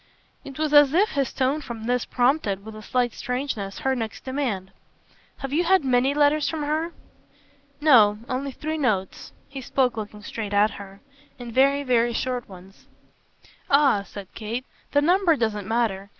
It was as if his tone for this prompted with a slight strangeness her next demand. "Have you had many letters from her?" "No. Only three notes." He spoke looking straight at her. "And very, very short ones." "Ah," said Kate, "the number doesn't matter.